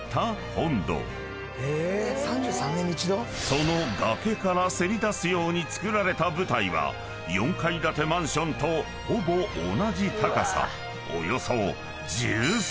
［その崖からせり出すように造られた舞台は４階建てマンションとほぼ同じ高さ］